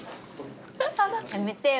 やめてよ。